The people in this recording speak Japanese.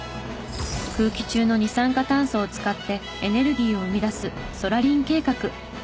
空気中の二酸化炭素を使ってエネルギーを生み出すそらりん計画。